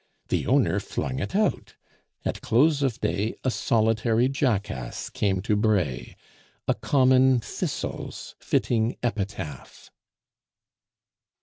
The owner flung it out. At close of day A solitary jackass came to bray A common Thistle's fitting epitaph.